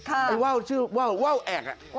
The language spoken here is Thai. ไอ้ว่าวชื่อว่าว่าวแอบ